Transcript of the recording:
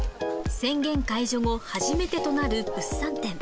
宣言解除後初めてとなる物産展。